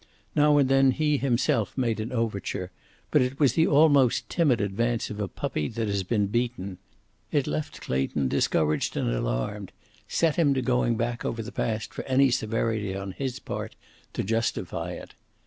Now and then he himself made an overture, but it was the almost timid advance of a puppy that has been beaten. It left Clayton discouraged and alarmed, set him to going back over the past for any severity on his part to justify it.